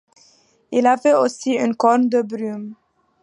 Il avait aussi une corne de brume.